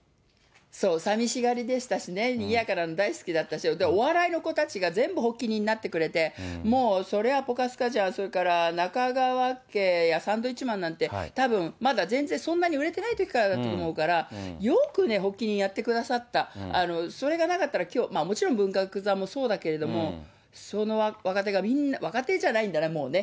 そう、寂しがりでしたしね、にぎやかなの大好きだったし、お笑いの子たちが全部発起人になってくれて、もうそりゃ、ポカスカジャン、それから中川家やサンドウィッチマンなんて、たぶん、まだ全然そんなに売れてないときからだと思うから、よく発起人やってくださった、それがなかったら、きょう、もちろん文学座もそうだけれども、その若手が、みんな、若手じゃないんだな、もうね。